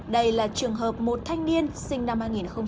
đây là trường hợp một thanh niên sinh năm hai nghìn năm